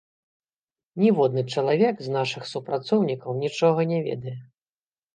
Ніводны чалавек з нашых супрацоўнікаў нічога не ведае.